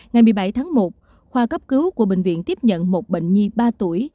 ngày một mươi bảy tháng một khoa cấp cứu của bệnh viện tiếp nhận một bệnh nhi ba tuổi